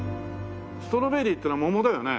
ストロベリーっていうのは桃だよね？